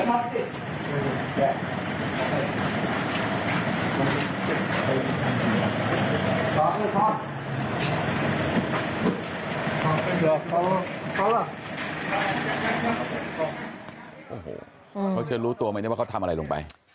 โอ้โหเขาเชื่อรู้ตัวไหมว่าจะทำอะไรลงไป